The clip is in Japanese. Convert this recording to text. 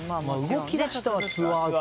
動きだしたはツアーか。